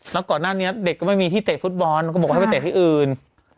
แล้วก่อนหน้านี้เด็กก็ไม่มีที่เตะฟุตบอลก็บอกว่าให้ไปเตะที่อื่น